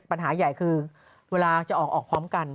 ปัญหาใหญ่คือเวลาจะออกพร้อมกัน